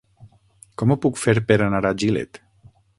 Com ho puc fer per anar a Gilet?